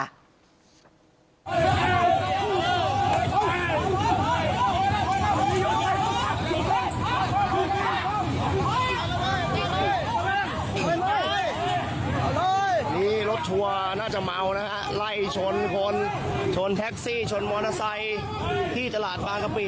นี่รถทัวร์น่าจะเมานะฮะไล่ชนคนชนแท็กซี่ชนมอเตอร์ไซค์ที่ตลาดบางกะปิ